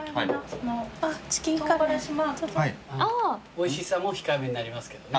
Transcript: おいしさも控えめになりますけどね。